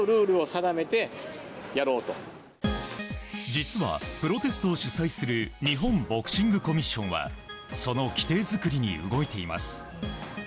実はプロテストを主催する日本ボクシングコミッションはその規定作りに動いています。